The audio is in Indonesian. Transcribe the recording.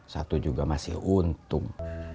satu juga masih untung